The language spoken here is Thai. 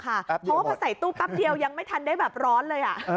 เพราะว่าพอใส่ตู้แป๊บเดียวยังไม่ทันได้แบบร้อนเลย